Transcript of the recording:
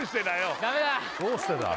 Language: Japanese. どうしてだよ